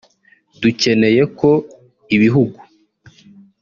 Dukeneye ko ibihugu